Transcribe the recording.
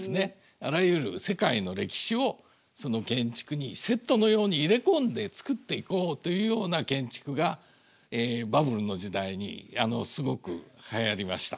あらゆる世界の歴史をその建築にセットのように入れ込んで作っていこうというような建築がバブルの時代にすごくはやりました。